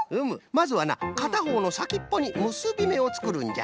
まずはなかたほうのさきっぽにむすびめをつくるんじゃ。